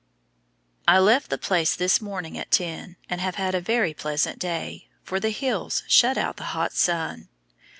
I left the place this morning at ten, and have had a very pleasant day, for the hills shut out the hot sun.